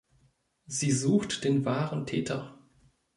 Sie sucht den wahren Täter.